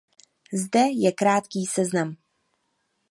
Zde je krátký seznam.